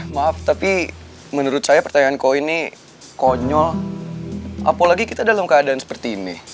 maaf tapi menurut saya pertanyaan kau ini konyol apalagi kita dalam keadaan seperti ini